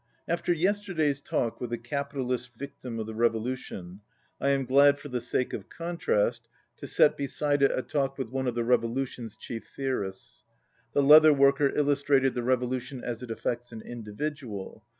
After yesterday's talk with a capitalist victim of the revolution, I am glad for the sake of contrast to set beside it a talk with one of the revolution's ichief theorists. The leather worker illustrated the revolution as it affects an individual.